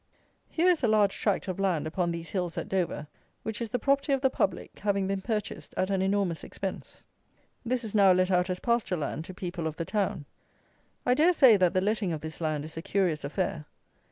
Here is a large tract of land upon these hills at Dover, which is the property of the public, having been purchased at an enormous expense. This is now let out as pasture land to people of the town. I dare say that the letting of this land is a curious affair.